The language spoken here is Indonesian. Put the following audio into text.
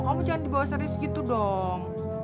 kamu jangan dibawa serius gitu dong